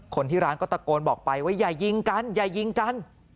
คนที่ร้านก็ตะโกนบอกไปว่าอย่ายิงกันอย่ายิงกัน